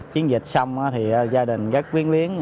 chiến dịch xong thì gia đình rất quyến liến